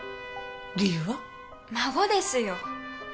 孫ですよ。